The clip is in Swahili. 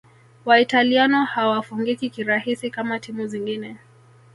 Waitaliano hawafungiki kirahisi kama timu zingine